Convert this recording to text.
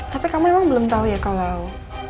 tapi kamu emang belum tau ya kalau